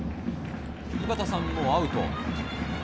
井端さんもアウト。